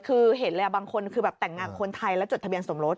คือเห็นเลยบางคนคือแบบแต่งงานคนไทยแล้วจดทะเบียนสมรส